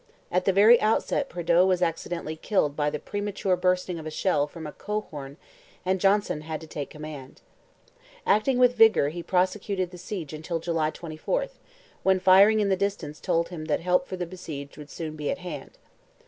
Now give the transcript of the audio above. At the very outset Prideaux was accidentally killed by the premature bursting of a shell from a coehorn and Johnson had to take command. Acting with vigour he prosecuted the siege until July 24, when firing in the distance told that help for the besieged would soon be at hand.